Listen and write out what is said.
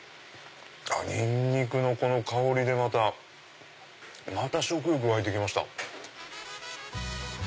ニンニクのこの香りでまた食欲湧いて来ました。